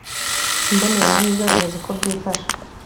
Imbonerahamwe igaragaza uko byifashe